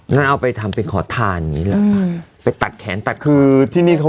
ถ้าเอาไปทำขอทานไปตัดแขนตัดขึ้น